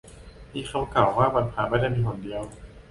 มีคำเก่าว่า วันพระไม่ได้มีหนเดียว